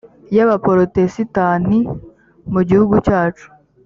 y abaporotesitanti mu gihugu cyacu